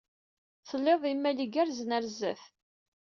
Tlid imal igerrzen ɣer sdat.